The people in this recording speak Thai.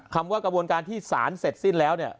คำว่ากระบวนการที่สารเสร็จสิ้นแล้วเนี่ย